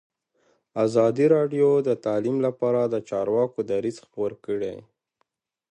ازادي راډیو د تعلیم لپاره د چارواکو دریځ خپور کړی.